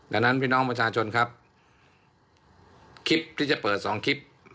ดังนั้นพี่น้องประชาชนครับคลิปที่จะเปิดสองคลิป